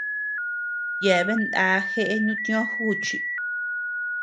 Yeabea nda jeʼe nutñó juchi.